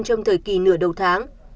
trong thời kỳ nửa đầu tháng